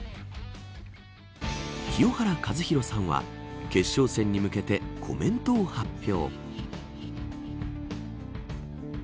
清原和博さんは決勝戦に向けてコメントを発表。